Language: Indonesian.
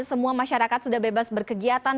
semua masyarakat sudah bebas berkegiatan